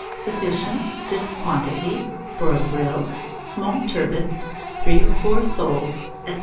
Sufficient, this quantity, for a brill, small turbot, 3 or 4 soles, &c.